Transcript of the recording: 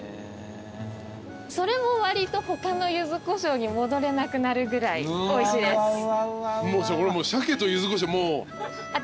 それもわりと他のゆずこしょうに戻れなくなるぐらいおいしいです。